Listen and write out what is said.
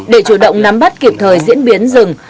để chủ động nắm bắt kịp thời diễn biến rừng